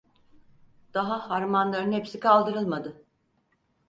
Daha harmanların hepsi kaldırılmadı.